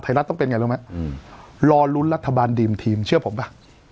รัฐต้องเป็นไงรู้ไหมรอลุ้นรัฐบาลดีมทีมเชื่อผมป่ะ